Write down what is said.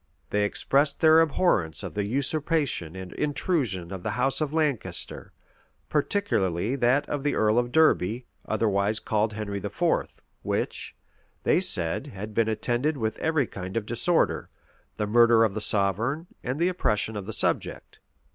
[*] They expressed their abhorrence of the usurpation and intrusion of the house of Lancaster, particularly that of the earl of Derby, otherwise called Henry IV.; which, they said, had been attended with every kind of disorder, the murder of the sovereign, and the oppression of the subject.